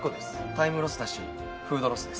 タイムロスだしフードロスです。